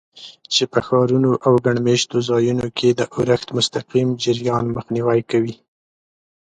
چې په ښارونو او ګڼ مېشتو ځایونو کې د اورښت مستقیم جریان مخنیوی کوي.